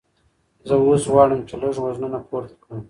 زه اوس غواړم چې لږ وزنونه پورته کړم.